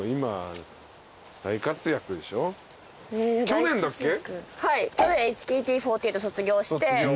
去年ＨＫＴ４８卒業して。